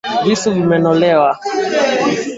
Visu vimenolewa.